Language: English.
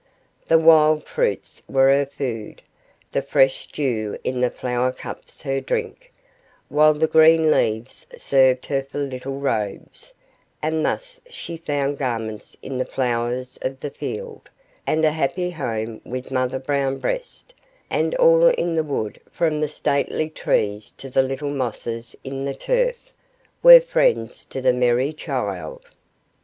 The wild fruits were her food, the fresh dew in the flower cups her drink, while the green leaves served her for little robes; and thus she found garments in the flowers of the field, and a happy home with Mother Brown Breast; and all in the wood, from the stately trees to the little mosses in the turf, were friends to the merry child.